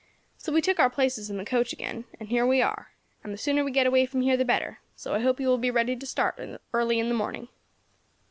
So we took our places in the coach again, and here we are; and the sooner we get away from here the better, so I hope you will be ready to start early in the morning."